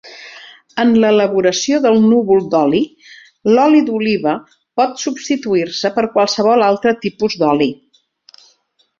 En l’elaboració del núvol d’oli, l’oli d’oliva pot substituir-se per qualsevol altre tipus d’oli.